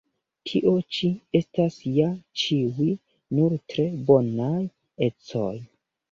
Tio ĉi estas ja ĉiuj nur tre bonaj ecoj!